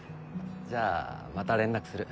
じゃあまた連絡する。